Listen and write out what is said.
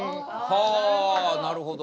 あなるほど。